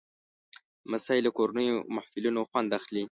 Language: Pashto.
لمسی له کورنیو محفلونو خوند اخلي.